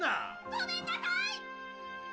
・・ごめんなさい！